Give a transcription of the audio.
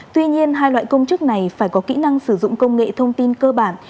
tuy nhiên hai loại công chức này phải có kỹ năng sử dụng công nghệ thông tin cơ bản